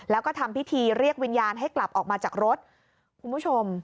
แล้วก็ทำพิธีเรียกวิญญาณให้กลับออกมาจากรถคุณผู้ชม